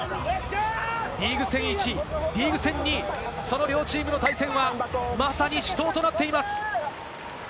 リーグ戦１位、リーグ戦２位、その両チームの対戦は、まさに死闘となっています。